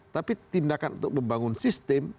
tapi tindakan untuk membangun sistem